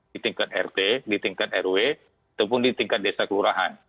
di tingkat rt di tingkat rw ataupun di tingkat desa kelurahan